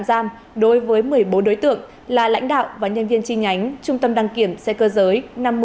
giam đối với một mươi bốn đối tượng là lãnh đạo và nhân viên chi nhánh trung tâm đăng kiểm xe cơ giới